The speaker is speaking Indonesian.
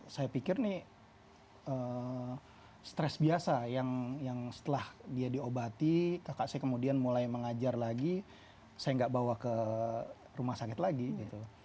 saya pikir ini stres biasa yang setelah dia diobati kakak saya kemudian mulai mengajar lagi saya nggak bawa ke rumah sakit lagi gitu